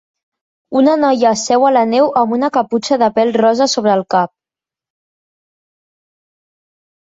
Una noia seu a la neu amb una caputxa de pèl rosa sobre el cap.